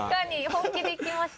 本気でいきました。